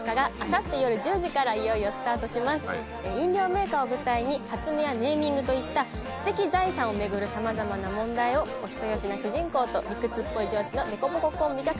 飲料メーカーを舞台に発明やネーミングといった知的財産を巡るさまざまな問題をお人よしな主人公と理屈っぽい上司の凸凹コンビが解決していく爽快感あるドラマです